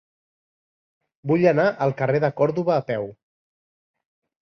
Vull anar al carrer de Còrdova a peu.